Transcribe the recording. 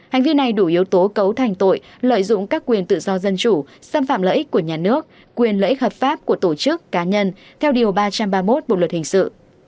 hành vi này đủ yếu tố cấu thành tội lợi dụng các quyền tự do dân chủ xâm phạm lợi ích của nhà nước quyền lợi ích hợp pháp của tổ chức cá nhân theo điều ba trăm ba mươi một bộ luật hình sự